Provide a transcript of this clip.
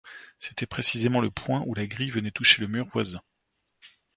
C’était précisément le point où la grille venait toucher le mur voisin.